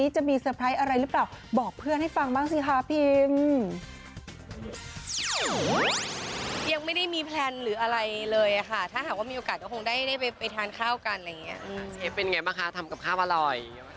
เชฟเป็นไงบ้างคะทำกับข้าวอร่อย